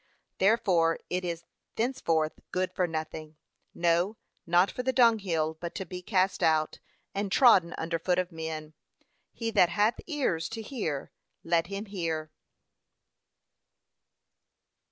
Therefore it is thenceforth good for nothing. No, not for the dunghill, but to be cast out, and trodden under foot of men. 'He that hath ears to hear let him hear.'